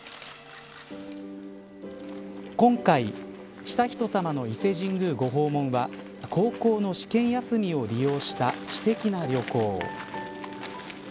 今回悠仁さまの伊勢神宮ご訪問は高校の試験休みを利用した私的な旅行。